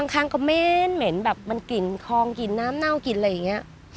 ข้างก็เหม็นแบบมันกลิ่นคลองกลิ่นน้ำเน่ากลิ่นอะไรอย่างนี้